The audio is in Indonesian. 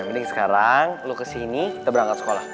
mending sekarang lu kesini kita berangkat sekolah